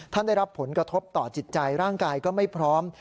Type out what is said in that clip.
ได้รับผลกระทบต่อจิตใจร่างกายก็ไม่พร้อม